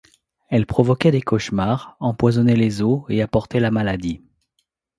Elle provoquait des cauchemars, empoisonnait les eaux et apportait la maladie.